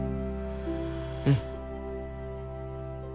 うん。